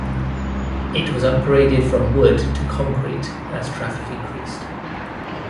It was upgraded from wood to concrete as traffic increased.